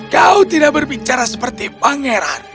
kau tidak berbicara seperti pangeran